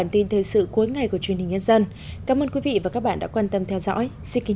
trong thời sự cuối ngày của chương trình nhân dân cảm ơn quý vị và các bạn đã quan tâm theo dõi